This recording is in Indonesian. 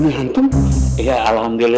tahan tai sial dibawah di darah saya